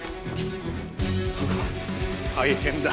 大変だ！